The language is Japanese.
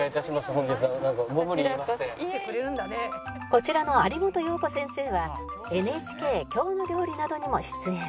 こちらの有元葉子先生は ＮＨＫ『きょうの料理』などにも出演